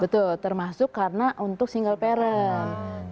betul termasuk karena untuk single parent